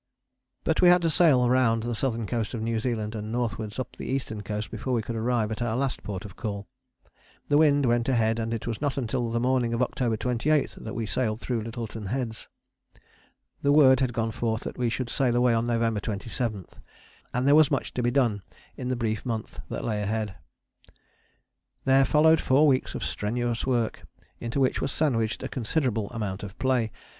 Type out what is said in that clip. But we had to sail round the southern coast of New Zealand and northwards up the eastern coast before we could arrive at our last port of call. The wind went ahead, and it was not until the morning of October 28 that we sailed through Lyttelton Heads. The word had gone forth that we should sail away on November 27, and there was much to be done in the brief month that lay ahead. There followed four weeks of strenuous work into which was sandwiched a considerable amount of play.